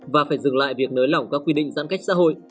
và phải dừng lại việc nới lỏng các quy định giãn cách xã hội